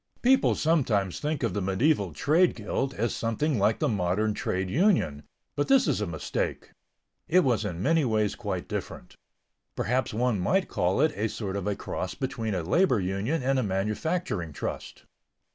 _] People sometimes think of the medieval trade guild as something like the modern trade union, but this is a mistake; it was in many ways quite different. Perhaps one might call it a sort of a cross between a labor union and a manufacturing trust.